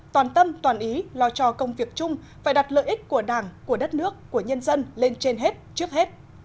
toàn tâm toàn ý lo cho công việc chung phải đặt lợi ích của đảng của đất nước của nhân dân lên trên hết trước hết